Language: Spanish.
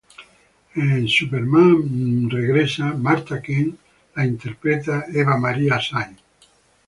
En "Superman Returns", Martha Kent es interpretada por Eva Marie Saint.